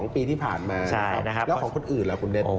๒ปีที่ผ่านมานะครับแล้วของคนอื่นล่ะคุณเดชน์